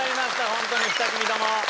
ホントに２組とも。